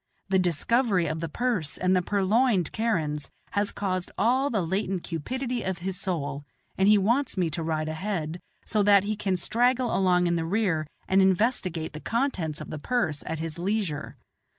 The discovery of the purse and the purloined kerans has aroused all the latent cupidity of his soul, and he wants me to ride ahead, so that he can straggle along in the rear and investigate the contents of the purse at his leisure.